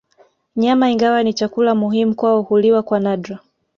Nyama ingawa ni chakula muhimu kwao huliwa kwa nadra